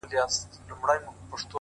گراني زر واره درتا ځار سمه زه”